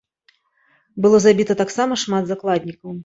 Было забіта таксама шмат закладнікаў.